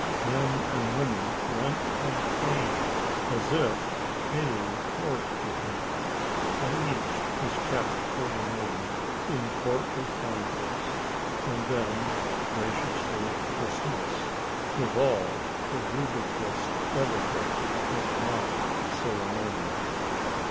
Men and women went and came, as if paying court to him; and each was kept for a moment in courtly converse, and then graciously dismissed, with all the ludicrous etiquette of mock ceremonial!